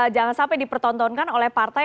jangan sampai dipertontonkan oleh partai